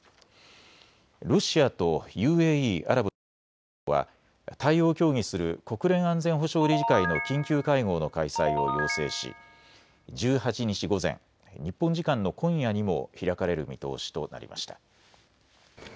ロシアとＵＡＥ・アラブ首長国連邦は対応を協議する国連安全保障理事会の緊急会合の開催を要請し１８日午前、日本時間の今夜にも開かれる見通しとなりました。